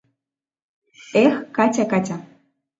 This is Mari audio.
...Эх, Катя, Катя!